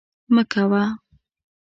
مه کوه